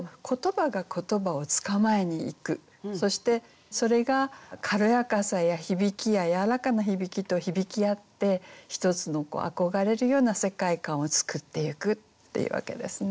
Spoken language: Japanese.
そうするとそしてそれが軽やかさや響きややわらかな響きと響き合って一つの憧れるような世界観を作っていくっていうわけですね。